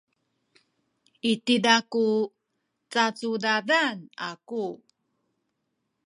i tiza ku cacudadan aku.